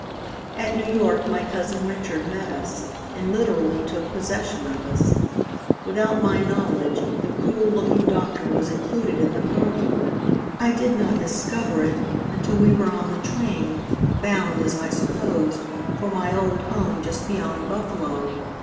"At New York my cousin Richard met us and literally took possession of us. Without my knowledge, the cruel looking doctor was included in the party. I did not discover it until we were on the train, bound, as I supposed, for my old home just beyond Buffalo.